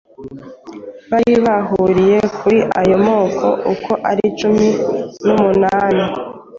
bari bahuriye kuri ayo moko uko ari cumi numunani.